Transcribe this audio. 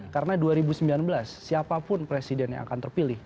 karena dua ribu sembilan belas siapapun presiden yang akan terpilih